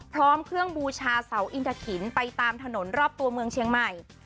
พร้อมเครื่องบูชาเสาอินทะขินไปตามถนนรอบตัวเมืองเชียงใหม่